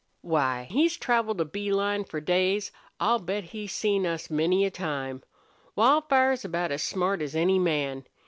"Why, he's traveled a bee line for days! I'll bet he's seen us many a time. Wildfire's about as smart as any man.